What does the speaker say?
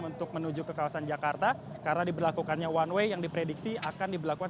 untuk menuju ke kawasan jakarta karena diberlakukannya one way yang diprediksi akan diberlakukan